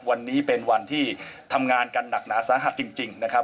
วันนี้เป็นวันที่ทำงานกันหนักหนาสาหัสจริงนะครับ